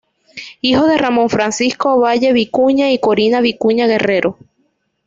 Hijo de Ramón Francisco Ovalle Vicuña y Corina Vicuña Guerrero.